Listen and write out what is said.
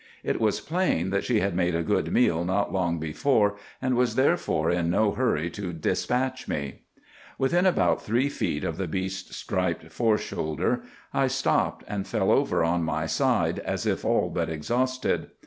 It was plain that she had made a good meal not long before, and was, therefore, in no hurry to despatch me. "'Within about three feet of the beast's striped foreshoulder I stopped and fell over on my side, as if all but exhausted.